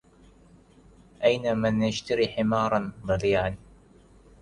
أين من يشتري حمارا ضليعا